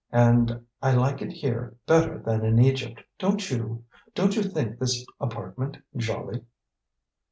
And I like it here better than in Egypt, don't you? Don't you think this apartment jolly?"